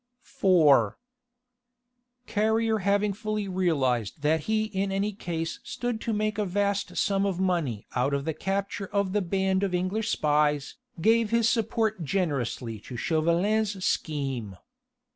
IV Carrier having fully realised that he in any case stood to make a vast sum of money out of the capture of the band of English spies, gave his support generously to Chauvelin's scheme.